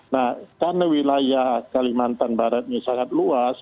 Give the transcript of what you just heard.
nah karena wilayah kalimantan barat ini sangat luas